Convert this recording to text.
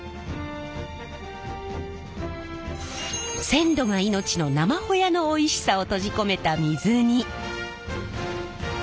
鮮度が命の生ほやのおいしさを閉じ込めた水煮。